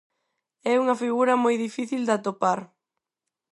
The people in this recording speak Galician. É unha figura moi difícil de atopar.